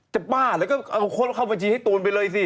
บ้าแล้วก็เอาโค้ดเข้าบัญชีให้ตูนไปเลยสิ